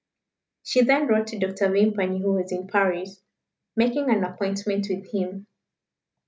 She then wrote to Dr. Vimpany, who was in Paris, making an appointment with him.